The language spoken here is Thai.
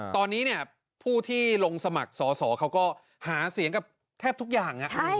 ตอนนี้เนี่ยผู้ที่ลงสมัครสอสอเขาก็หาเสียงกับแทบทุกอย่าง